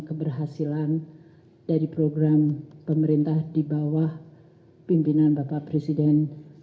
keberhasilan dari program pemerintah di bawah pimpinan bapak presiden